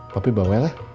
papi bawa lah